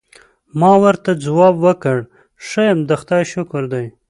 ما ورته ځواب ورکړ: ښه یم، د خدای شکر دی.